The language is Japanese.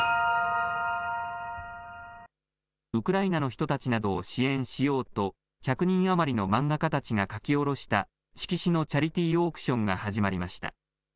ウクライナの人たちなどを支援しようと、１００人余りの漫画家たちが描き下ろした色紙のチャリティーオークションが始まりました。